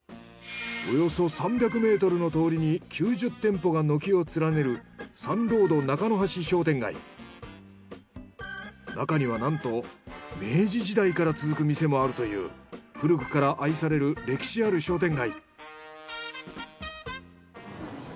およそ３００ｍの通りに９０店舗が軒を連ねるなかにはなんと明治時代から続く店もあるという古くから愛される歴史ある商店街。